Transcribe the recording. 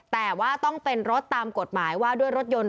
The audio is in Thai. แต่ว่าต้องเป็นรถตามกฎหมายว่าด้วยรถยนต์